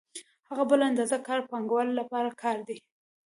هغه بله اندازه کار د پانګوال لپاره کړی دی